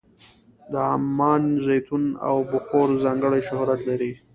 د عمان زیتون او بخور ځانګړی شهرت لري.